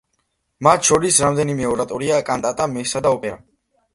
მათ შორის რამდენიმე ორატორია, კანტატა, მესა და ოპერა.